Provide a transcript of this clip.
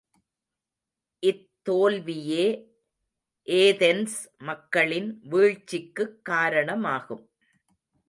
இத்தோல்வியே Athens மக்களின் வீழ்ச்சிக்குக் காரணமாகும்.